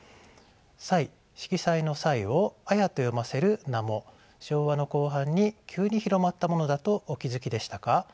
色彩の「彩」を「あや」と読ませる名も昭和の後半に急に広まったものだとお気付きでしたか？